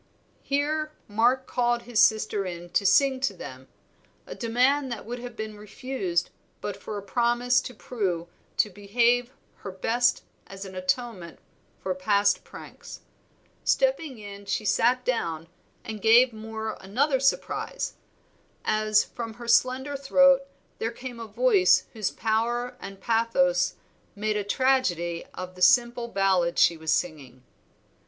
Here Mark called his sister in to sing to them, a demand that would have been refused but for a promise to Prue to behave her best as an atonement for past pranks. Stepping in she sat down and gave Moor another surprise, as from her slender throat there came a voice whose power and pathos made a tragedy of the simple ballad she was singing.